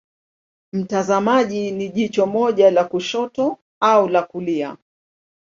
Mtazamaji ni jicho moja la kushoto au la kulia.